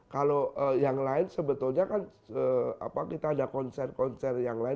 kalau yang lain sebetulnya kan kita ada konser konser yang lain